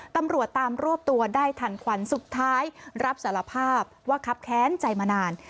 ตำรวจตามรวบตัวได้ทันขวัญสุดท้ายรับสารภาพว่าครับแค้นใจมานาน